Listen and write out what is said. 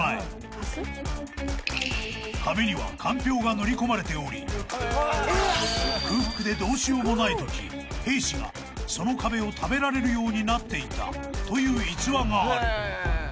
［壁にはかんぴょうが塗り込まれており空腹でどうしようもないとき兵士がその壁を食べられるようになっていたという逸話がある］